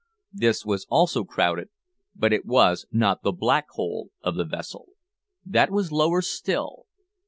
This was also crowded, but it was not the "Black Hole" of the vessel. That was lower still.